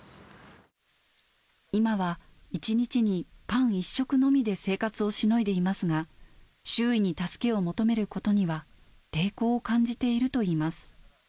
今は１日にパン１食のみで生活をしのいていますが、周囲に助けを求めることには抵抗を感じているといいます。